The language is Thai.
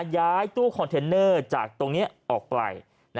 ย้ายตู้คอนเทนเนอร์จากตรงนี้ออกไป